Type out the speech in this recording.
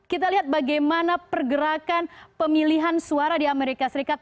kita lihat bagaimana pergerakan pemilihan suara di amerika serikat